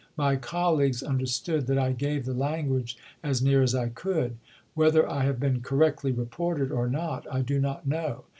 My colleagues understood that I gave the language as near as I could. Whether I have been correctly reported or not I do not know.